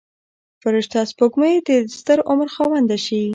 فرشته سپوږمۍ د دستر عمر خاونده شي.